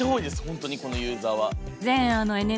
本当にこのユーザーは。